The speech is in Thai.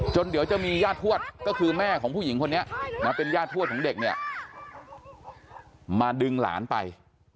เดี๋ยวจะมีญาติทวดก็คือแม่ของผู้หญิงคนนี้นะเป็นญาติทวดของเด็กเนี่ยมาดึงหลานไป